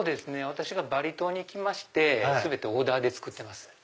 私がバリ島に行きまして全てオーダーで作ってます。